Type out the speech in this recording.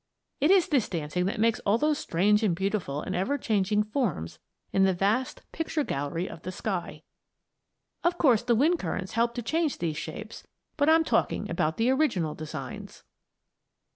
It is this dancing about that makes all those strange and beautiful and ever changing forms in the vast picture gallery of the sky. Of course the wind currents help to change these shapes, but I'm talking about the original designs.